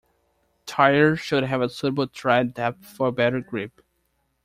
Tires should have a suitable tread depth for better grip.